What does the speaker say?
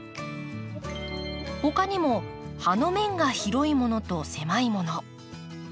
他にも葉の面が広いものと狭いもの。